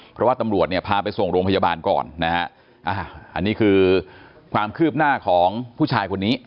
เพราะว่าตำรวจเนี่ยพาไปส่งโรงพยาบาลก่อนนะฮะอ่าอันนี้คือความคืบหน้าของผู้ชายคนนี้